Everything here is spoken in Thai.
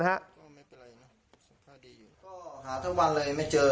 หาทั้งวันมาไม่เจอ